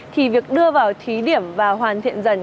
thì việc đưa vào thí điểm và hoàn thiện dần